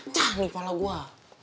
pentecah nih kepala gua